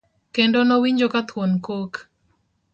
kendo nowinjo ka thuon kok